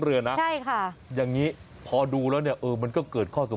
คืออยู่ท้ายเรือ๘ดอต